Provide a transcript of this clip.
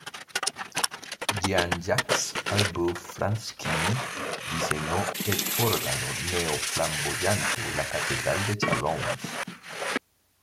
Jean-Jacques Arveuf-Fransquin diseñó el órgano neo-flamboyante de la Catedral de Châlons.